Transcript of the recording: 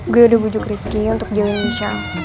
gue udah bujuk rifki untuk jauhin misha